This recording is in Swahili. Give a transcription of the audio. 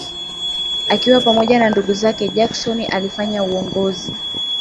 Akiwa pamoja na ndugu zake Jackson alifanya uongozi